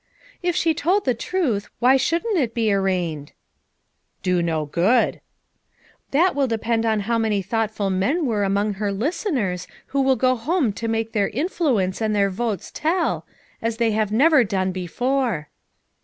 "If she told the truth, why shouldn't it be arraigned?" "Do no good." "That will depend on how many thoughtful men were among her listeners who will go home FOtJE MOTHERS AT CHAUTAUQUA 191 to make their influence and their votes tell, as they have never done before."